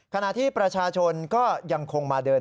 ขณะที่ประชาชนก็ยังคงมาเดิน